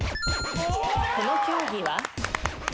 この競技は？